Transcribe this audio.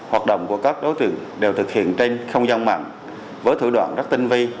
hoạt động của các đối tượng đều thực hiện trên không gian mạng với thủ đoạn rất tinh vi